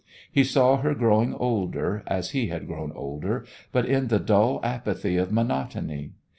He saw her growing older, as he had grown older, but in the dull apathy of monotony.